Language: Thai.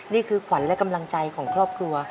นี่คือขวัญและกำลังใจของครอบครัว